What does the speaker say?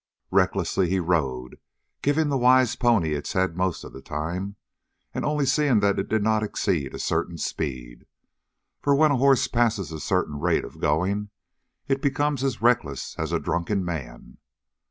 Recklessly he rode, giving the wise pony its head most of the time, and only seeing that it did not exceed a certain speed, for when a horse passes a certain rate of going it becomes as reckless as a drunken man.